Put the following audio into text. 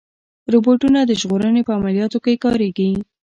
روبوټونه د ژغورنې په عملیاتو کې کارېږي.